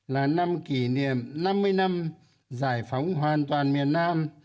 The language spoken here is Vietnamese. là năm kỷ niệm năm mươi năm giải phóng hoàn toàn miền nam